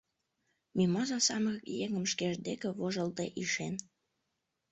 Мимоза самырык еҥым шкеж деке вожылде ишен.